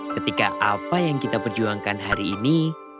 ketika apa yang kita perjuangkan hari ini